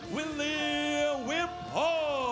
วิลเลียววิปโฮล์